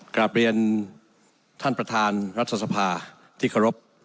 กลับเรียนท่านประธานรัฐสภาที่เคารพ